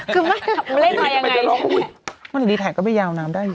คือไม่เลขว่ายังไงทำไมจะลองอุ๊ยวันนี้ถ่ายก็ไม่ยาวน้ำได้อยู่